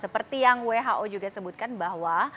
seperti yang who juga sebutkan bahwa